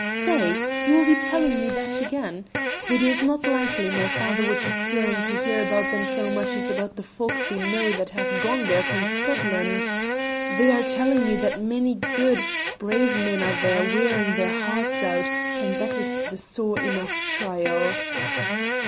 "Stay! you will be telling me that again; it is not likely my father would be caring to hear about them so much as about the folk we know that have gone there from Scotland. They are telling me that many good, brave men are there wearing their hearts out, and that is the sore enough trial."